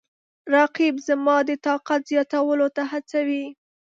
رقیب زما د طاقت زیاتولو ته هڅوي